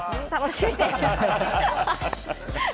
楽しみです。